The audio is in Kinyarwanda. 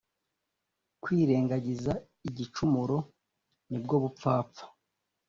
kwirengagiza igicumuro ni bwo bupfapfa